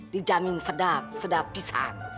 dijamin sedap sedap pisan